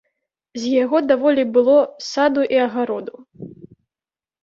З яго даволі было саду і агароду.